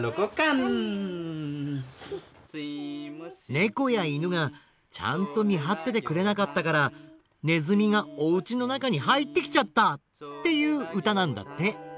ねこやいぬがちゃんとみはっててくれなかったからねずみがおうちのなかにはいってきちゃった！っていううたなんだって。